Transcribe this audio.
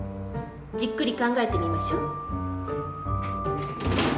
じっくり考えてみましょ。